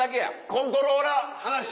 コントローラー離し。